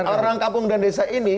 orang kampung dan desa ini